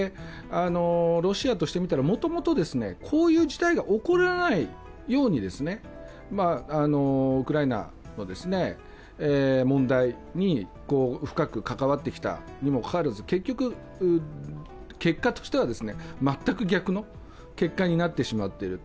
ロシアとしてみたら、もともとこういう事態が起こらないようにウクライナは問題に深く関わってきたにもかかわらず、結果としては全く逆の結果になってしまっている。